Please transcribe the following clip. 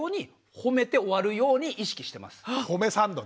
褒めサンドね。